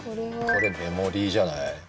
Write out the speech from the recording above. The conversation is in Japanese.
これメモリじゃない？